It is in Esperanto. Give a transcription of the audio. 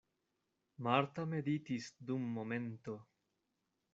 Marta meditis dum momento.